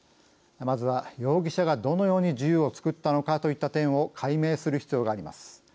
まずは容疑者がどのように銃を作ったのかといった点を解明する必要があります。